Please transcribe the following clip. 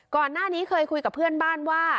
ก่อนหน้านี้เคยคุยกับเพื่อนบ้านว่า